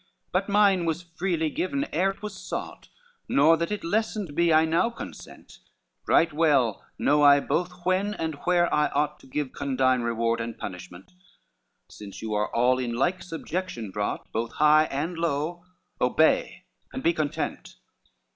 XXXVIII "But mine was freely given ere 'twas sought, Nor that it lessened be I now consent; Right well know I both when and where I ought To give condign reward and punishment, Since you are all in like subjection brought, Both high and low obey, and be content."